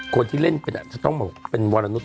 คนที่เล่นเป็นอาจจะต้องเป็นวรนุษย